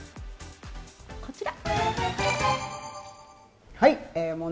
こちら。